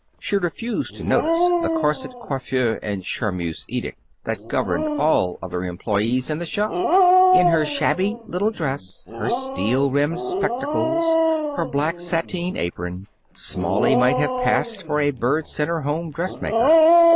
She refused to notice the corset coiffure and charmeuse edict that governed all other employees in the shop. In her shabby little dress, her steel rimmed spectacles, her black sateen apron, Smalley might have passed for a Bird Center home dressmaker.